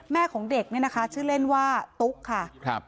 ของเด็กเนี่ยนะคะชื่อเล่นว่าตุ๊กค่ะ